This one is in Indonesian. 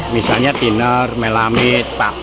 misalnya tiner melamit baku